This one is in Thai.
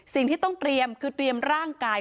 สิ่งที่ต้องเตรียมคือเตรียมร่างกาย